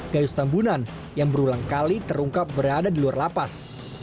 gayus tambunan yang berulang kali terungkap berada di luar lapas